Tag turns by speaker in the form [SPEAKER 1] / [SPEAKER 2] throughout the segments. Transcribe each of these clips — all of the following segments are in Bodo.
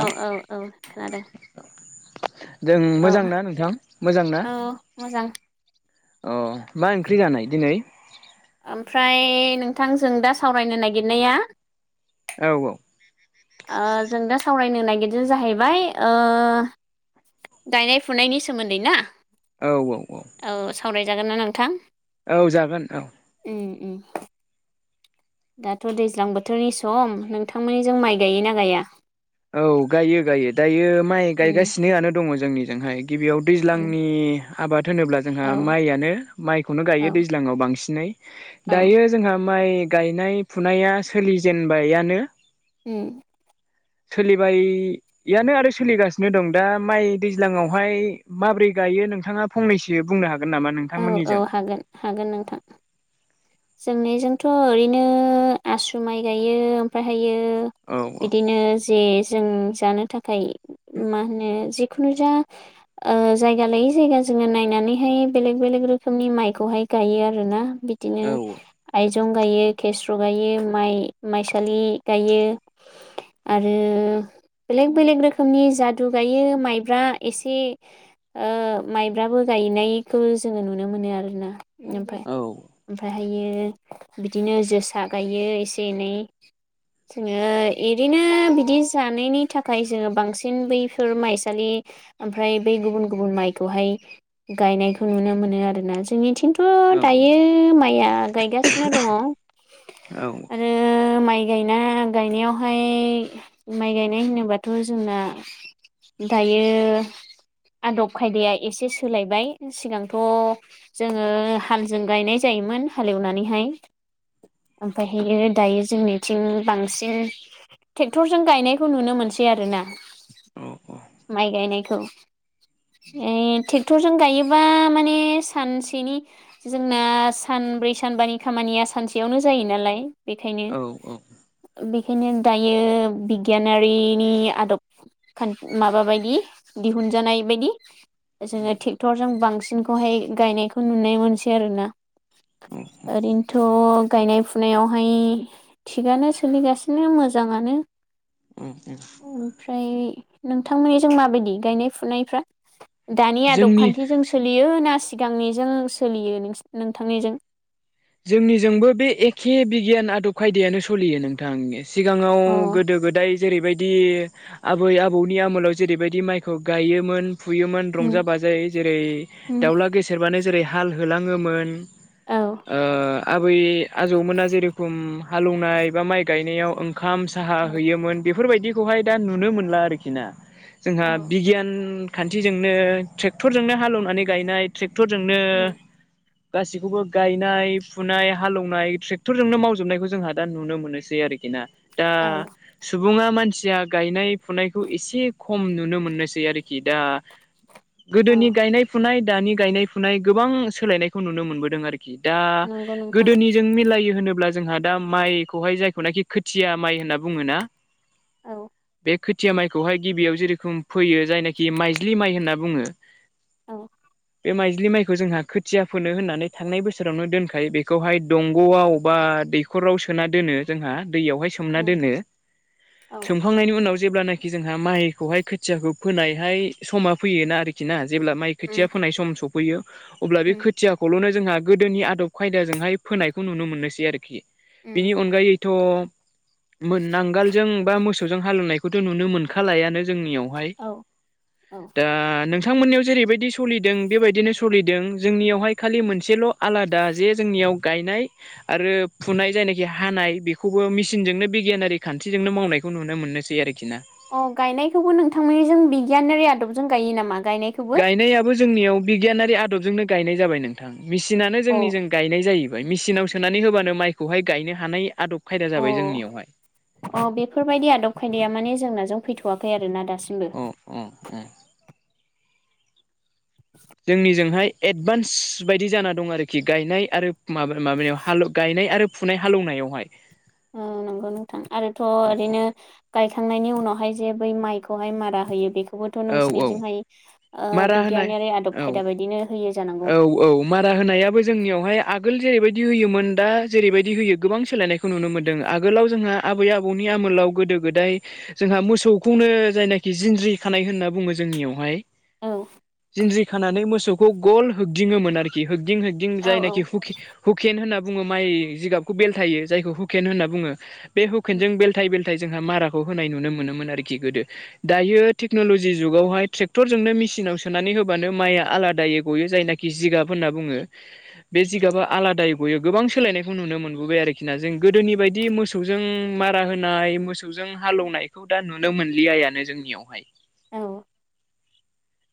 [SPEAKER 1] औ औ औ खोनादों
[SPEAKER 2] जों
[SPEAKER 1] औ
[SPEAKER 2] मोजांना नोंथां मोजां ना?
[SPEAKER 1] औ मोजां
[SPEAKER 2] अ मा ओंख्रि जानाय दिनै?
[SPEAKER 1] ओमफ्राय नोंथांजों दा सावरायनो नागिरनाया
[SPEAKER 2] औ औ
[SPEAKER 1] नायनो नागिरदों जाहैबाय ओ गायनाय फुनायनि सोमोन्दै ना
[SPEAKER 2] औ औ
[SPEAKER 1] औ सावरायजागोन ना नोंथां?
[SPEAKER 2] औ जागोन औ
[SPEAKER 1] दाथदैज्लां बोथोरनि सम नोंथांमोननि जों माइ गायोना गाया?
[SPEAKER 2] औ गायो गायो दायो माइ
[SPEAKER 1] उम
[SPEAKER 2] गायगासिनोआनो दङ जोंनिजोंहाय। गिबियाव
[SPEAKER 1] उम
[SPEAKER 2] दैज्लांनि आबाद होनोब्ला जोंहा
[SPEAKER 1] औ
[SPEAKER 2] माइयानो माइखौनो गायो
[SPEAKER 1] औ
[SPEAKER 2] दैज्लाङाव बांसिनै
[SPEAKER 1] औ
[SPEAKER 2] दायो जोंहा माइ गायनाय फुनाया सोलिजेनबायानो
[SPEAKER 1] उम
[SPEAKER 2] सोलिबायानो आरो सोलिगासिनो दं दा माइ दैज्लाङावहाय माब्रै दायो नोंथाङा फंनैसो बुंनो हागोन नामा
[SPEAKER 1] औ औ
[SPEAKER 2] नोंथांमोननिजों
[SPEAKER 1] हागोन हागोन नोंथां। जोंनायजोंथ ओरैनो आसु माइ गायो ओमफ्रायहायो ओ
[SPEAKER 2] औ औ
[SPEAKER 1] बिदिनो जे जों जानो थाखाय मा होनो जि [unintelligible] ओ जायगा ओ लायै जायगा जोंङो नायनानैहाय बेलेक बेलेक रोखोमनि माइखौहाय गायो आरोना बिदिनो आय जं गायो खेस्र गायो माइ माइसालि गायो। आरो बेलेग बेलेग रोखोमनि जादु गायो माइब्रा एसे ओ माइब्राबो गाय गायनायखौ जोंङो नुनो मोनो आरोना ओफाय
[SPEAKER 2] औ औ
[SPEAKER 1] ओमफाय हायो बिदिनो जोसा गायो एसे एनै जोंङो ओरैनो बिदि जानायनि थाखाय जोंङो बांसिन बैफोर माइसालि ओमफ्राय बै गुबुन गुबुन माइखौहाय गायनायखौ नुनो मोनो आरोना जोंनिथिं थ
[SPEAKER 2] औ
[SPEAKER 1] दायो माइआ गायगासिनो दङ आरो माय माइ गायना गायनायावहाय माइ गायनाय होनोबाथ जोंना दायो आदब खायदाया एसे सोलायबाय। सिगांथ' जोंङो हालजों गायनाय जायोमोन हालेवनानैहाय। ओमफफ्रायहायो दायो जोंनिथिं बांसिन ट्रेक्टरजों गायनायखौ नुनो मोनसै आरो ना।
[SPEAKER 2] औ
[SPEAKER 1] माइ गायनायखौ ओ ट्रेक्टरजों गायो। बा माने सानसेनि जोंना सानब्रै सानबानि खामानिया सानसेयावनो जायो नालाय बेखायनो
[SPEAKER 2] औ
[SPEAKER 1] बेखायनो दायो बिगियानारिनि आदब खान माबा बायदि दिहुन जानायबादि जोंङो ट्रेक्टरजों बांसिनखौहाय गायनायखौ नुनाय मोनसै आरोना। ओरैनोथ गायनाय फुनायावहाय थिगानो सोलिगासिनो मोजाङानो ओमफ्राय नोंथांमोननि जों माबायदि गायनाय फुनायफ्रा दानि आदब
[SPEAKER 2] जोंनि
[SPEAKER 1] खान्थिजों सोलियो ना सि सिगांनिजों सोलियो नोंथांनिजों
[SPEAKER 2] जोंनिजोंबो बे एखे बिगियान आदब खायदायानो सलियो नोंथां। सिगाङाव
[SPEAKER 1] अ
[SPEAKER 2] गोदो गोदाय जेरैबायदि आबै आबौनि आमोलाव जेरैबायदि माइखौ गायोमोन। फुयोमोन
[SPEAKER 1] उम
[SPEAKER 2] रंजा बाजायै जेरै
[SPEAKER 1] उम
[SPEAKER 2] दाउला गेसेेरबानो जेरै हाल होलाङोमोन।
[SPEAKER 1] औ
[SPEAKER 2] ओ आबै आजौमोना जेरेखम हालौवनाय बा माइ गायनायाव ओं ओंखाम साहा होयोमोन बेफोरबायदिखौहाय दा नुनो मोनला आरोखि ना। जोंहा
[SPEAKER 1] औ
[SPEAKER 2] बिगियान खान्थिजोंनो ट्रेक्टरजोंनो हालोवनानै गायनाय ट्रे ट्रेक्टरजोंनो
[SPEAKER 1] उम
[SPEAKER 2] गासिखौबो गाय गायनाय फुनाय हालेवनाय ट्रेक्टरजोंनो मावजोबनायखौ जोंहा दा नुनो मोनोसै आरोखि ना। दा
[SPEAKER 1] औ
[SPEAKER 2] सु सुबुङा मानसिया गायनाय फुनायखौ एसे खम नुनो मोनोसै आरोखि दा।
[SPEAKER 1] औ
[SPEAKER 2] गोदोनि गायनाय फुनाय दानि गायनाय फुनाय गोबां सोलायनायखौ नुनो मोनबोदों आरोखि। दा
[SPEAKER 1] नंगौ नोंथां
[SPEAKER 2] गोदोनिजों मिलायो होनोब्ला अब्ला जोंहा दा माइखौहाय जायखौनाखि खोथिया माइ होनना बुङो ना
[SPEAKER 1] औ
[SPEAKER 2] बे खोथिया माइखौहाय गिबियाव जेरेखोम फैयो जायनाखि माइज्लि माइ होनना बुङो
[SPEAKER 1] औ
[SPEAKER 2] बे माइज्लि माइखौ जोंहा खोथिया फोनो होननानै थांनाय बोसोर सोरावनो दोनखायो बेखौहाय दंगआव बा दैखराव सोना दोनो जोंहा दैयावहाय सोमना
[SPEAKER 1] उम
[SPEAKER 2] दोनो,
[SPEAKER 1] औ
[SPEAKER 2] सोमखांनायनि उनाव जेब्लानाखि जोंहा माइखौहाय खोथियाखौ फोनायहाय समा फैयोना आरोखि ना जेब्ला माइ
[SPEAKER 1] उम
[SPEAKER 2] खोथिया फोनाय सम सफैयो अब्ला बे
[SPEAKER 1] उम
[SPEAKER 2] खोथियाखौलनो जोंहा गोदोनि आदब खायदाजोंहाय फोनायखौ नुनो मोननोसै आरोखि बिनि
[SPEAKER 1] उम
[SPEAKER 2] अनगायै थ मोन नांगालजों बा मोसौजों हालेवनायखौथ नुनो मोनखालायानो जोंनियावहाय
[SPEAKER 1] औ औ
[SPEAKER 2] दा नोंसोर नोंथांमोननियाव जेरैबायदि सलिदों बेबायदिनो सलिदों जोंनियावहाय खालि मोनसेल आलादा जे जोंनियाव गायनाय आरो फुनाय जायनाखि हानाय बेखौबो मिसिनजोंनो बे बिगियानारि खान्थिजोंनो मावनायखौ नुनो मोननोसै आरोखि। ना
[SPEAKER 1] अ गायनायखौबो नोंथांमोननिजों बिगियानारि आदबजों गायो नामा? गायनायखौबो
[SPEAKER 2] गायनायाबो जोंनियाव बिगियानारि आदबजोंनो गायनाय जाबाय नोंथां। मेसिनानो
[SPEAKER 1] अ
[SPEAKER 2] जोंनि जों गायनाय जाहैबाय मेसिनाव सोनानै होबानो माइखौहाय गायनो हानाय आदब खायदा
[SPEAKER 1] अ
[SPEAKER 2] जाबाय जोंनियावहाय
[SPEAKER 1] अ बेफोरबायदि आदब खायदाया माने जोंनाजों फैथवाखैआरोना दा। दासिमबो
[SPEAKER 2] अ अ जोंनिजोंहाय एडभान्स बायदि जाना दं आरोखि गायनाय आरो माबा माबायाव हाल गायनाय आरो फुनाय हालौनाय बेवहाय
[SPEAKER 1] औ नंगौ नोंथां आरोथ' ओरैनो गायखांनायनि उनावहाय जे बै माइखौहाय मारा होयो बेखौ खौबोथ
[SPEAKER 2] औ औ
[SPEAKER 1] नोंसिनिजोंहाय
[SPEAKER 2] मारा होनाय
[SPEAKER 1] बिगियानारि आदब
[SPEAKER 2] औ
[SPEAKER 1] खायदा बायदिनो होयो जानांगौ
[SPEAKER 2] औ औ मारा होनायाबो जोंनियावहाय आगोल जेरैबाय दि होयोमोन दा जेरैबायदि होयो गोबां सोलायनायखौ नुनो मोन्दों। आगोलाव जोंहा आबै आबौनि आमोलाव गोदो गोदो गोदाय जोंहा मोसौखौनो जायनाखि जिन्ज्रिखानाय होनना बुङो जोंनियावहाय
[SPEAKER 1] औ
[SPEAKER 2] जिनज्रि खानानै मोसौखौ गल होगदिङोमोन आरोखि हो होग्दिं होग्दिं
[SPEAKER 1] औ औ
[SPEAKER 2] जायनाखि हुखे हुखेन होननानै बुङो माय जिगाबखौ बेलथायो जायखौ हुखेन होनना बुङो, बे
[SPEAKER 1] उम
[SPEAKER 2] हुखेनजों बेलथाय बेल जोंहा माराखौ होनाय नुनो मोनोमोन आरोखि गोदो दायो टेक्नलजि जुगावहाय ट्रेक्टरजोंनो मेसिनाव सोनानै होबानो माइआ आलादैयै गयो जायनाखि जिगाब होनना बुङो बे जिगाबा आलादायै गयो, गोबां सोलायनायखौ नुनो मोनबोबाय आरो। आरोखिना, जों गोदोनि बायदि मोसौजों मारा होनाय मोसौजों हालौवनायखौ दा नुनो मोनलिया बियानो जोंनियावहाय
[SPEAKER 1] औ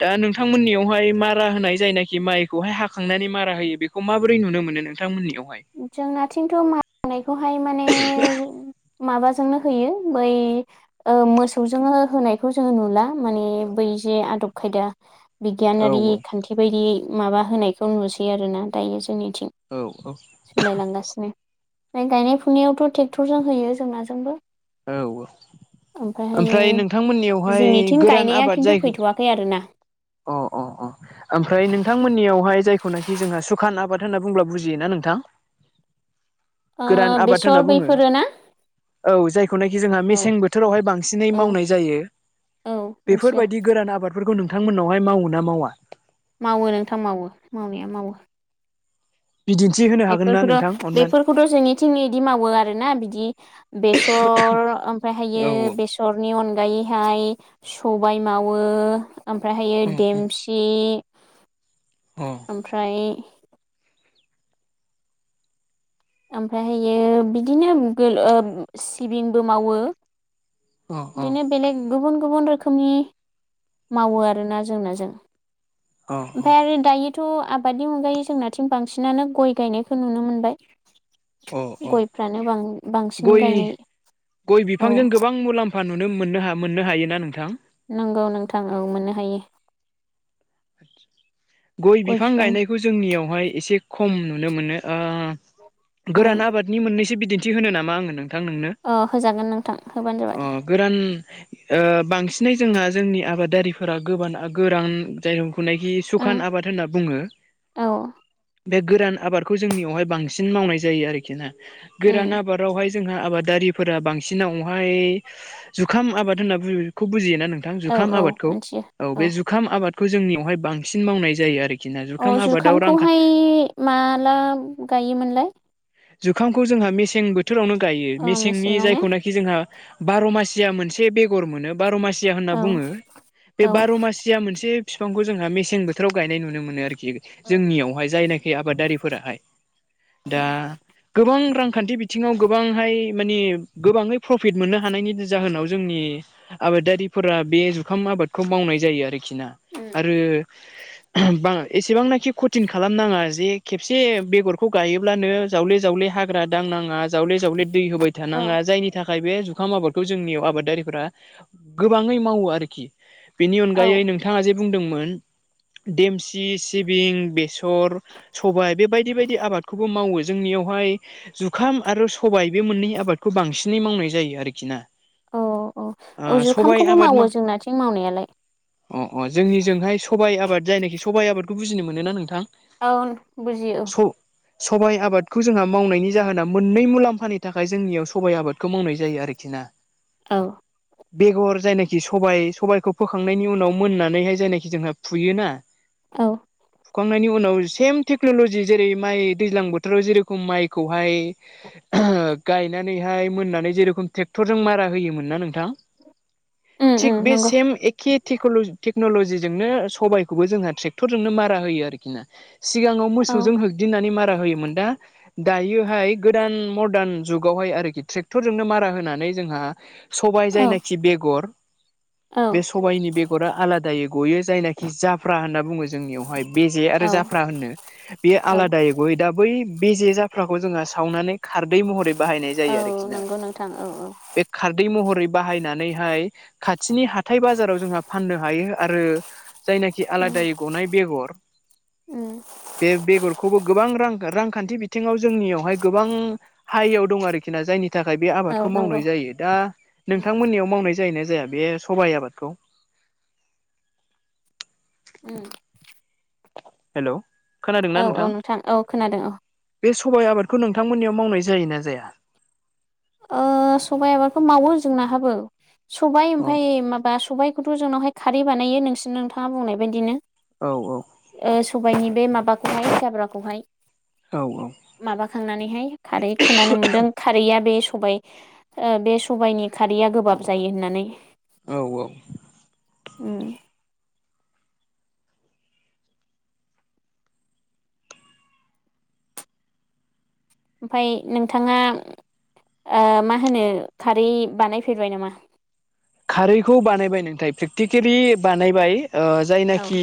[SPEAKER 2] दा नोंथांमोननियावहाय मारा होनाय जायनाखि माइखौहाय हाखांनानै मारा होयो बेखौ माबोरै नुनो मोनो नोंथांमोननियाव?
[SPEAKER 1] जोंनाथिंथ मारा नानायखौहाय माने माबाजोंनो होयो बै मोसौजोंनो होनायखौ जोङो नुला माने बै जे आदब खायदा
[SPEAKER 2] औ
[SPEAKER 1] बिगियानारि खान्थि बायदि माबा होनायखौ नुसै आरोना दायो जोंनिथिं।
[SPEAKER 2] औ औ
[SPEAKER 1] सोलायलांगासिनो, ओमफ्राय गायनाय फुनायावथ ट्रेक्टरजों होयो जोंनाजोंबो
[SPEAKER 2] औ ओमफ्राय
[SPEAKER 1] ओमफ्रायहायो
[SPEAKER 2] नोंथांमोननियावहाय
[SPEAKER 1] जोंनिथिं
[SPEAKER 2] गोरान
[SPEAKER 1] गायनाया
[SPEAKER 2] आबाद
[SPEAKER 1] खिन्थु
[SPEAKER 2] जायखौ
[SPEAKER 1] फैथ'वाखै आरोना
[SPEAKER 2] अ अ अ ओमफ्राय नोंथांमोननियावहाय जाय बेखौनाखि जोंहा सुखान आबाद होनना बु बुंङोब्ला बुजियोना नोंथां।
[SPEAKER 1] ओ
[SPEAKER 2] गोरान आबाद होनना
[SPEAKER 1] बेसर
[SPEAKER 2] बुङो
[SPEAKER 1] बैफोरो ना
[SPEAKER 2] औ जाय [unintelligible] जोंहा
[SPEAKER 1] औ
[SPEAKER 2] मेसें बोथोरावहाय बांसिनै
[SPEAKER 1] औ
[SPEAKER 2] मावनाय जायो
[SPEAKER 1] औ मिथियो
[SPEAKER 2] बेफोरबायदि गोरान आबाद बेफोरखौ नोंथांमोननावहाय मावङो ना मावा?
[SPEAKER 1] मावो नोंथां मावो मावनाया मावो
[SPEAKER 2] बिदिन्थि होनो हागोन ना नोंथां
[SPEAKER 1] बेफोरखौथ'
[SPEAKER 2] अननानै?
[SPEAKER 1] बेफोरखौथ' जोंनिथिंनि इदि मावो आरोना बिदि बेसर
[SPEAKER 2] औ
[SPEAKER 1] ओमफ्रायहायो बेसरनि अनगायै हाय सबाय मावो ओमफ्रायहायो
[SPEAKER 2] औ
[SPEAKER 1] देमसि
[SPEAKER 2] अ
[SPEAKER 1] [inaudible] ओमफ्राय ओमफ्रायहायो बिदिनो सिबिंबो मावो
[SPEAKER 2] अ
[SPEAKER 1] [inaudible] बिदिनो
[SPEAKER 2] अ
[SPEAKER 1] बेलेग गुबुन गुबुन रोखोमनि मावो आरोना जोंना जों ओमफ्राय आरो दायो थ' आबादनि मुगायै जोंनाथिं बांसिनानो गय गायनायखौ नुनो मोनबाय
[SPEAKER 2] अ अ
[SPEAKER 1] गयफ्रानो बां बांसिन
[SPEAKER 2] गय
[SPEAKER 1] गायनाय
[SPEAKER 2] गय
[SPEAKER 1] औ
[SPEAKER 2] बिफांजों गोबां [unintelligible] नुनो मोनो मोननो हायो ना नोंथां
[SPEAKER 1] नंगौ नोंथां औ मोननो हायो।
[SPEAKER 2] [inaudible] गय बिफां गायनायखौ जोंनियावहाय एसे खम नुनो मोनो ओ
[SPEAKER 1] औ
[SPEAKER 2] गोरान आबादनि मोननैसो बिदिन्थि होनो नामा आङो नों नोंथां नोंनो
[SPEAKER 1] अ होजागोन नोंथां होबानो जाबाय
[SPEAKER 2] अ गोरान ओ बांसिनै जोंहा जोंनि आबादारिफोरा गोबाना गोरान जाय हुनायखि
[SPEAKER 1] ओं
[SPEAKER 2] सुखान आबाद होनना बुङो
[SPEAKER 1] औ
[SPEAKER 2] बे गोरान आबादखौ जोंनियावहाय बांसिन मावनाय जायो आरोखि ना
[SPEAKER 1] उम
[SPEAKER 2] गोरान आबादावहाय जोंहा आबादारिफोरा बांसिनावहाय जुखाम आबाद होननाखौ बुजियोना नोंथां नोंथां
[SPEAKER 1] औ
[SPEAKER 2] जुखाम
[SPEAKER 1] औ
[SPEAKER 2] आबादखौ
[SPEAKER 1] मिथियो
[SPEAKER 2] औ बे जुखाम आबादखौ जोंनियावहाय बांसिन मावनाय जायो आरोखि ना जुखाम
[SPEAKER 1] अ
[SPEAKER 2] आबादाव रांखा
[SPEAKER 1] जुखामखौहाय माला गायोमोनलाय?
[SPEAKER 2] जुखामखौ जोंहा मेसें बोथोरावनो गायो
[SPEAKER 1] औ
[SPEAKER 2] मेसेंनि
[SPEAKER 1] मेसेङाव ने
[SPEAKER 2] जायखौनाखि जोंहा बार' मासिया मोनसे बेगर मोनो बार' मासिया होनना
[SPEAKER 1] औ
[SPEAKER 2] बुङो बे
[SPEAKER 1] औ
[SPEAKER 2] बार' मासिया मोनसे बिफांखौ जोंहा मेसें बोथोराव गायनाय नुनो मोनो आरोखि जोंनियावहाय जायनाखि आबादारिफोराहाय दा गोबां रांखान्थि बिथिङाव गोबांहाय माने गोबाङै प्रफिट मोननो हानायनि जाहोनाव जोंनि आबादारिफोरा बे जुखाम आबादखौ मावनाय जायो आरोखि ना
[SPEAKER 1] उम
[SPEAKER 2] आरो बां एसेबांनाखि खथिन खालामनाङा जे खेबसे बेगरखौ गायोब्लानो जावले जावले हाग्रा दांनाङा जावले जावले दै होबाय
[SPEAKER 1] औ
[SPEAKER 2] थानाङा जायनि थाखाय थाखाय बे जुखाम आबादखौ जोंनियाव आबादारिफ्रा गोबाङै मावो आरोखि बेनि
[SPEAKER 1] औ
[SPEAKER 2] अनगायै नोंथाङा जे बुंदोंमोन देमसि सिबिं बेसर सर सबाय बे बायदि बायदि आबादखौबो मावो जोंनियावहाय जुखाम आरो सबबाय बे मोननै आबादखौ बांसिनै मावनाय जायो आरोखि ना
[SPEAKER 1] औ
[SPEAKER 2] [inaudible] ओ
[SPEAKER 1] औ
[SPEAKER 2] सबाइ
[SPEAKER 1] जुखामखौबो
[SPEAKER 2] आबाद मा
[SPEAKER 1] मावो जोंनाथिं मावनायालाय
[SPEAKER 2] अ अ जोंनिजोंहाय सबाइ आबाद जायनाखि सबाइ आबादखौ बुजनो मोनो ना नोंथां?
[SPEAKER 1] औ बुजियो।
[SPEAKER 2] स सबाइ आबाद खौ जोंहा मावनायनि जाहोना मोननै मुलाम्फानि थाखाय जोंनियाव सबाइ आबादखौ मावनाय जायो आरोखि ना
[SPEAKER 1] औ
[SPEAKER 2] बेगर जायनाखि सबाइ सबायाइखौ फोखांनायनि उनाव मोननानैहाय जायनाखि जोंहा फुयोना
[SPEAKER 1] औ
[SPEAKER 2] सुखांनायनि उनाव सेम टेक्न'ल'जि जेरै माइ दैजां बोथोर थोराव जेरेखम माइखौहाय गायनानैहाय मोननानै जेरखम ट्रेक्टर जों मारा होयोमोन ना नोंथां
[SPEAKER 1] उम
[SPEAKER 2] थिक
[SPEAKER 1] उम
[SPEAKER 2] बे
[SPEAKER 1] नंगौ
[SPEAKER 2] सेम एखे टेक्न'लजि इदिनो सबाइखौबो जोङो ट्रेक्टरजोंनो मारा होयो आरोखिना सिगांआव
[SPEAKER 1] औ
[SPEAKER 2] मोसौजों होबदिंनानै मारा होयोमोन दा दायोहाय गोदान मदार्न जुगावहाय आरोखि ट्रेक्टरजोंनो मारा होनानै जोंहा सबाय जायनाखि बेगर
[SPEAKER 1] औ
[SPEAKER 2] बे सबायाइनि बेगरा आलादायै गयो जायनाखि जाफ्रा होनना बुङो जोंनियावहाय बेजे आरो
[SPEAKER 1] औ
[SPEAKER 2] जाफ्रा होननो बेयो
[SPEAKER 1] औ
[SPEAKER 2] आलादायै गयो दा बै बेजे जाफ्राखौ जोंहा सावनानै खारदै महरै बाहायनाय
[SPEAKER 1] औ
[SPEAKER 2] जायो आरोखि ना
[SPEAKER 1] नंगौ नोंथां औ औ
[SPEAKER 2] बे खारदै महरै बाहायनानैहाय खाथिनि हाथाय बाजाराव जोंहा फाननो हायो आरो जायनाखि
[SPEAKER 1] उम
[SPEAKER 2] आलादायै गनाय बेगर
[SPEAKER 1] उम
[SPEAKER 2] बे बेगरखौबो गोबां रां रां खान्थि बिथिङाव जोंनियावहाय गोबां हयआव दं आरोखि ना जायनि नि थाखाय बे
[SPEAKER 1] औ
[SPEAKER 2] आबादखौ
[SPEAKER 1] नंगौ
[SPEAKER 2] मावनाय जायो दा
[SPEAKER 1] उम उम
[SPEAKER 2] नोंथांमोननियाव मावनाय जायोना जाया जाया बे सबाइ आबादखौ।
[SPEAKER 1] उम
[SPEAKER 2] हेल'
[SPEAKER 1] औ औ नोंथां औ खोनादों औ।
[SPEAKER 2] बे सबाइ आबादखौ नोंथांमोननियाव मावनाय जायोना जाया?
[SPEAKER 1] आ सबायाइ आबादखौ मावो जोंनाहाबो। सबाय
[SPEAKER 2] औ
[SPEAKER 1] ओमफ्राय माबा सबायखौथ' जोंनावहाय खारै बानायो नोंसिोरनि नोंथाङा बुंनाय बायदिनो।
[SPEAKER 2] औ औ
[SPEAKER 1] सबायाइनि बे माबाखौहाय जाब्राखौहाय
[SPEAKER 2] औ औ
[SPEAKER 1] माबाखांनानैहाय खारै खोनानो मोनदों खारैया बे सबाइ बे सबाइनि खारैया गोबाब जायो होननानै।
[SPEAKER 2] औ औ
[SPEAKER 1] उम ओमफाय नोंथाङा ओ मा होनो खारै बानायफेरबाय नामा?
[SPEAKER 2] खारैखौ बानायबाय नोंथाय प्रेक्टिकेलि बानायबाय ओ
[SPEAKER 1] औ
[SPEAKER 2] जायनाखि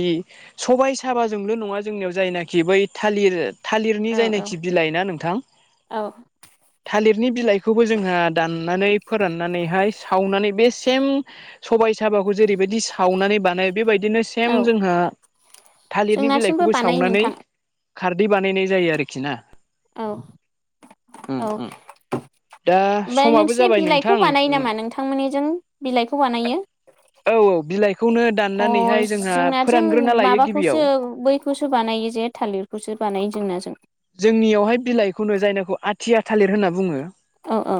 [SPEAKER 2] सबाइ साबाजोंल' नङा जोंनियाव जायनाखि बै थालिर थालिरनि
[SPEAKER 1] औ औ
[SPEAKER 2] जायनाखि बिलाइ ना नोंथां
[SPEAKER 1] औ
[SPEAKER 2] थालिर नि बिलाइखौबो जोंहा दाननानै फोराननानैहाय सावनानै बे सेम सबाइ थाबाखौ जेरैबायदि सावनानै बानायो बेबायदिनो सेम
[SPEAKER 1] औ
[SPEAKER 2] जोंहा थालिरनि
[SPEAKER 1] जोंनाथिंबो
[SPEAKER 2] बिलाइखौबो
[SPEAKER 1] बानायो
[SPEAKER 2] सावनानै
[SPEAKER 1] नोंथां
[SPEAKER 2] खारदै बानायनाय जायो आरोखि ना।
[SPEAKER 1] औ
[SPEAKER 2] उम
[SPEAKER 1] औ
[SPEAKER 2] उम दा
[SPEAKER 1] ओमफ्राय
[SPEAKER 2] समाबो
[SPEAKER 1] नोंसिनि
[SPEAKER 2] जाबाय नोंथां
[SPEAKER 1] बिलाइखौ बानायो नामा नोंथांमोननिजों बिलाइखौ बानायो
[SPEAKER 2] औ औ बिलाइ
[SPEAKER 1] अ जोंना जों
[SPEAKER 2] लायो
[SPEAKER 1] माबाखौसो
[SPEAKER 2] गिबियाव
[SPEAKER 1] बैखौसो बानायो जे थालिरखौसो। बानाय जोंनाजों
[SPEAKER 2] जोंनियावहाय बिलाइखौनो जायनाखौ आथिया थालिर होनना बुङो।
[SPEAKER 1] औ औ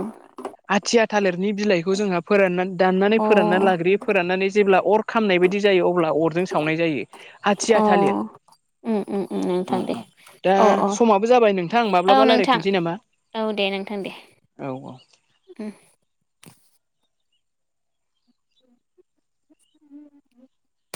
[SPEAKER 2] आथिया थालिरनि बिलाइखौ जोंहा फोराननानै दाननानै
[SPEAKER 1] अ
[SPEAKER 2] फोरानना लाग्रोयो फोराननानै जेब्ला अर खामनाय बायदि जायो अब्ला अरजों सावनाय जायो आथिया
[SPEAKER 1] अ
[SPEAKER 2] थालिर
[SPEAKER 1] उम उम उम
[SPEAKER 2] औ
[SPEAKER 1] नोंथां दे।
[SPEAKER 2] औ दा
[SPEAKER 1] अ अ
[SPEAKER 2] समाबो जाबाय नोंथां
[SPEAKER 1] औ
[SPEAKER 2] माब्लाबा
[SPEAKER 1] नोंथां
[SPEAKER 2] रायजलायफिनसै नामा।?
[SPEAKER 1] औ दे नोंथां दे
[SPEAKER 2] औ औ
[SPEAKER 1] उम [inaudible]